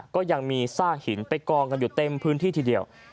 ก็ยังมีซากหินไปกองกันอยู่เต็มพื้นที่ทีเดียว